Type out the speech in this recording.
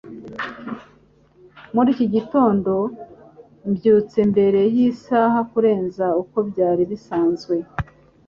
Muri iki gitondo, mbyutse mbere yisaha kurenza uko byari bisanzwe.